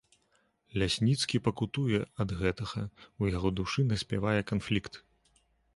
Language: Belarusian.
Лясніцкі пакутуе ад гэтага, у яго душы наспявае канфлікт.